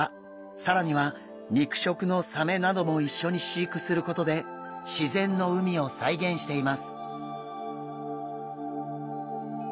更には肉食のサメなども一緒に飼育することで自然の海を再現しています。